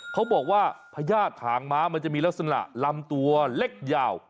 เขาบอกว่าพญาติถางม้ามันจะมีลักษณะลำตัวเล็กยาว